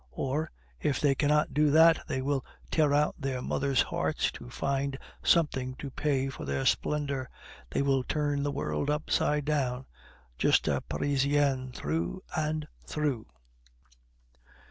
Or if they cannot do that, they will tear out their mothers' hearts to find something to pay for their splendor. They will turn the world upside down. Just a Parisienne through and through!"